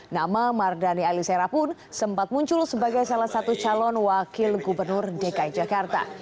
nama mardhani alisera pun sempat muncul sebagai salah satu calon wakil gubernur dki jakarta